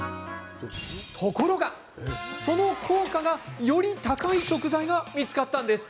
ところがその効果がより高い食材が見つかったんです。